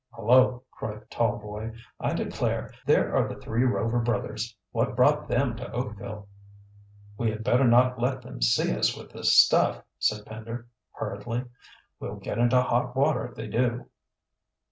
"Hullo!" cried the tall boy. "I declare! there are the three Rover brothers. What brought them to Oakville?" "We had better not let them see us with this stuff," said Pender hurriedly. "We'll get into hot water if they do."